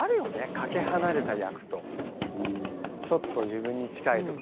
かけはなれた役とちょっと自分に近いとか。